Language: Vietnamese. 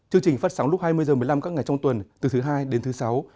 chương trình phát sóng lúc hai mươi h một mươi năm các ngày trong tuần từ thứ hai đến thứ sáu